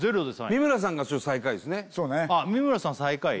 三村さん最下位？